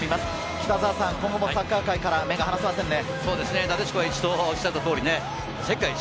北澤さん、今後もサッカー界から目が離せませんね。